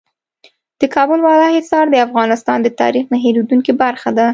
د کابل بالا حصار د افغانستان د تاریخ نه هېرېدونکې برخه ده.